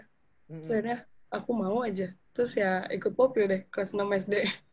terus akhirnya aku mau aja terus ya ikut popil deh kelas enam sd